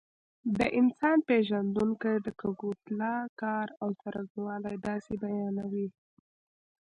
د انسان پېژندونکي د کګوتلا کار او څرنګوالی داسې بیانوي.